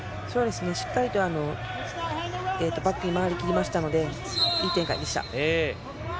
しっかりバックに回りきりましたので、いい展開でした。